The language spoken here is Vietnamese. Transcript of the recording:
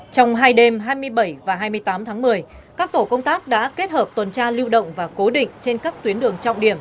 trong hai đêm hai mươi bảy và hai mươi tám tháng một mươi các tổ công tác đã kết hợp tuần tra lưu động và cố định trên các tuyến đường trọng điểm